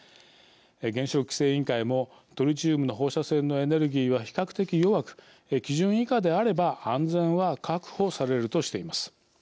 原子力規制委員会もトリチウムの放射線のエネルギーは比較的弱く基準以下であれば安全は確保されるとしています。